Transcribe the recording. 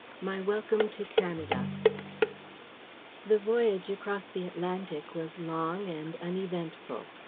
MY WELCOME TO CANADA The voyage across the Atlantic was long and uneventful.